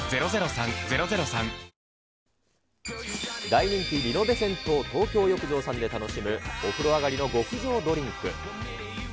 大人気リノベ銭湯東京浴場さんで楽しむ、お風呂上がりの極上ドリンク。